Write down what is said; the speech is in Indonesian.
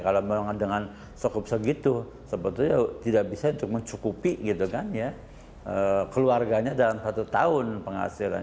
kalau dengan sekup segitu sebetulnya tidak bisa mencukupi keluarganya dalam satu tahun penghasilan